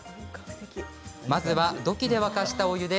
まずは、土器で沸かしたお湯で